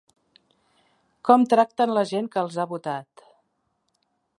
Com tracten la gent que els ha votat?